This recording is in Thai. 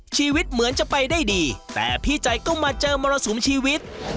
ชีวิตเหมือนจะไปได้ดีแต่พี่ใจก็มาเจอมรสุมชีวิต